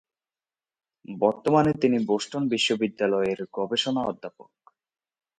বর্তমানে তিনি বোস্টন বিশ্ববিদ্যালয়ের গবেষণা অধ্যাপক।